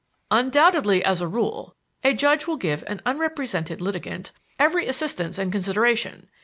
"Undoubtedly, as a rule, a judge will give an unrepresented litigant every assistance and consideration.